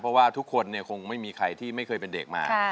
เพราะว่าทุกคนคงไม่มีใครที่ไม่เคยเป็นเด็กมา